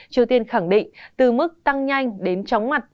triều tiên khẳng định từ mức tăng nhanh đến chóng mặt